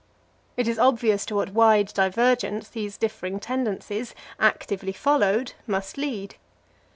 It is obvious to what wide divergence these differing tendencies, actively followed, must lead.